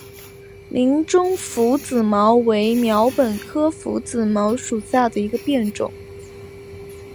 林中拂子茅为禾本科拂子茅属下的一个变种。